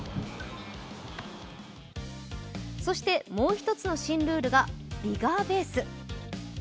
そしてもう一つの新ルールがビガー・ベース。